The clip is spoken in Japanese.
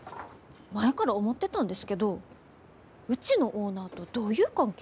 前から思ってたんですけどうちのオーナーとどういう関係ですか？